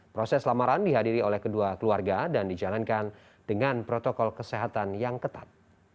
proses lamaran dihadiri oleh kedua keluarga dan dijalankan dengan protokol kesehatan yang ketat